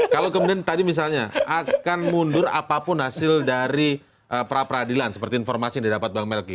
kalau kemudian tadi misalnya akan mundur apapun hasil dari pra peradilan seperti informasi yang didapat bang melki